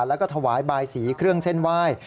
แล้วก็ถวายบายสีเครื่องเส้นไหว้